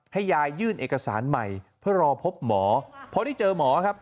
ให้ยายยื่นเอกสารใหม่เพื่อรอพบหมอพอได้เจอหมอครับ